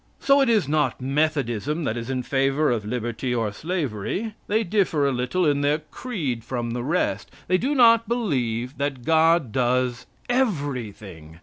So it is not Methodism that is in favor of liberty or slavery. They differ a little in their creed from the rest. They do not believe that God does everything.